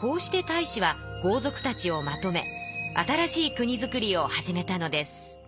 こうして太子は豪族たちをまとめ新しい国づくりを始めたのです。